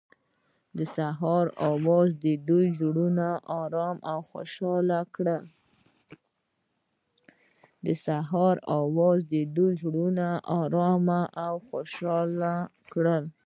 د سهار اواز د دوی زړونه ارامه او خوښ کړل.